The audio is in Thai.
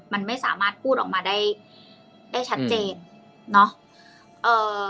มันไม่สามารถพูดออกมาได้ได้ชัดเจนเนอะเอ่อ